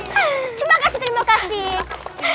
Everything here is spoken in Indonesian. terima kasih terima kasih